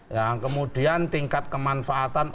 yang kemudian tingkat kemanfaatan